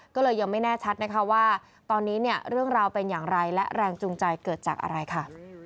ก็เลยยังไม่แน่ชัดนะคะว่าตอนนี้เนี่ยเรื่องราวเป็นอย่างไรและแรงจูงใจเกิดจากอะไรค่ะ